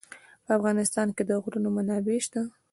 په افغانستان کې د غرونه منابع شته.